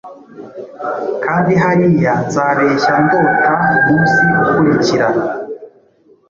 Kandi hariya nzabeshya ndota Umunsi ukurikira: